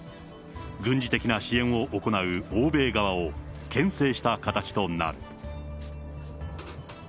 軍事的な支援を行う欧米側をけん制した形となる。